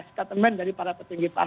statement dari para petinggi